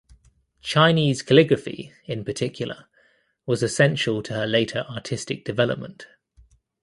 Chinese calligraphy in particular was essential to her later artistic development.